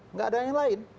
nggak ada yang lain